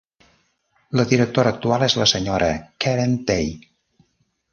La directora actual és la sra. Karen Tay.